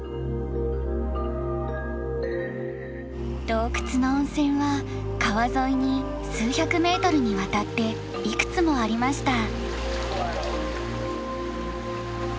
洞窟の温泉は川沿いに数百メートルにわたっていくつもありました。